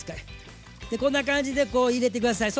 こんな感じでこう入れて下さい。